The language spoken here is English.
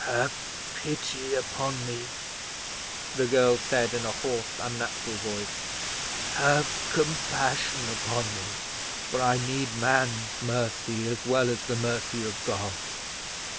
"Have pity upon me," the girl said, in a hoarse unnatural voice; "have compassion upon me, for I need man's mercy as well as the mercy of God.